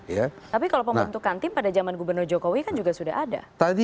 tapi kalau pembentukan tim pada zaman gubernur jokowi kan juga sudah ada